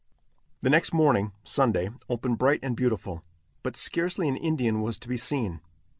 The next morning (Sunday) opened bright and beautiful, but scarcely an Indian was to be seen.